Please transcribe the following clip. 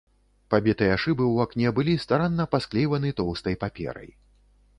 Пабітыя шыбы ў акне былі старанна пасклейваны тоўстай паперай.